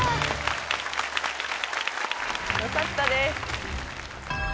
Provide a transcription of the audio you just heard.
よかったです。